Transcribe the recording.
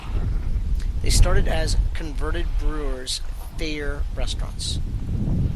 They started as converted Brewers Fayre restaurants.